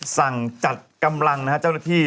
สั่งจัดกำลังนะฮะเจ้าหน้าที่